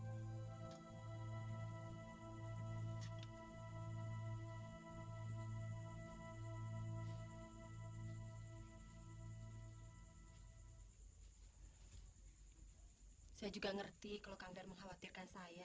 hai hai hai saya juga ngerti kalau kangdar mengkhawatirkan saya